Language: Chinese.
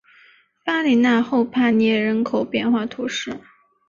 巴里讷后帕涅人口变化图示